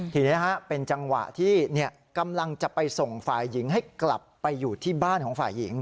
ทีนี้เป็นจังหวะที่กำลังจะไปส่งฝ่ายหญิงให้กลับไปอยู่ที่บ้านของฝ่ายหญิง